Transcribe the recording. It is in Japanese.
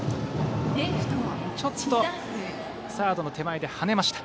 ちょっとサードの手前で跳ねました。